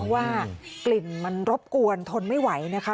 ว่ากลิ่นมันรบกวนทนไม่ไหวนะคะ